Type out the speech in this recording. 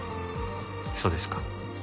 そうですか。